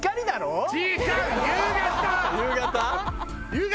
夕方？